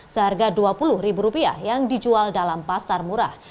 seharga rp dua puluh ribu rupiah yang dijual dalam pasar murah